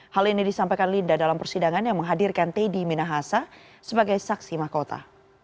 hal ini disampaikan linda dalam persidangan yang menghadirkan teddy minahasa sebagai saksi mahkota